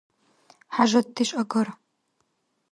ХӀяжатдеш агара.